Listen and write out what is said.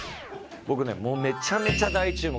僕ねめちゃめちゃ大注目。